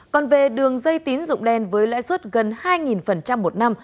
còn về đường dây tín dụng đen với lãi suất gần hai một năm